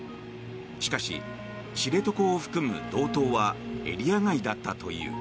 しかし、知床を含む道東はエリア外だったという。